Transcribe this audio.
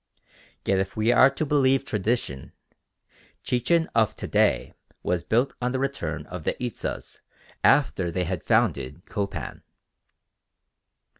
Yet if we are to believe tradition, Chichen of to day was built on the return of the Itzas after they had founded Copan.